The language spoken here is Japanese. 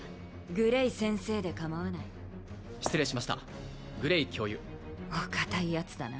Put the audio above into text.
グレイ先生でかまわない失礼しましたグレイ教諭お堅いヤツだな